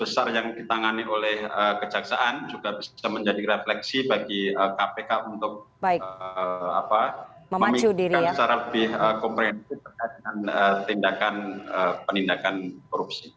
besar yang ditangani oleh kejaksaan juga bisa menjadi refleksi bagi kpk untuk memikirkan secara lebih komprehensif terkait dengan tindak penindakan korupsi